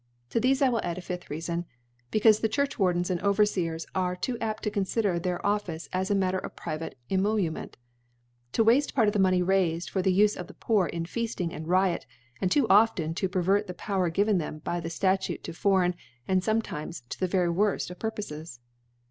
*' To thefe I will add a fifth Reafon : Bie caufe the Churchwardens and Overfeers are too apt to confider their Office as a Matter of private Emolument •, to wafte Part oi the Money raifcd for the Ufe of the Poor in Feafting and Riot; and too often to per^ vert the Power given them by the Statute to foreign, and fometiraes to the vary worft of Purpofes.